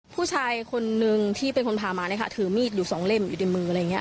ผู้ชายคนนึงที่เป็นคนพามานะคะถือมีดอยู่สองเล่มอยู่ในมืออะไรอย่างนี้